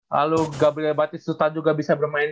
lalu gabriel batista juga bisa bermain